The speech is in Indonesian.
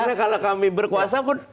karena kalau kami berkuasa pun